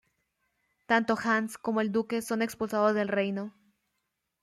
Tanto Hans como el duque son expulsados del reino.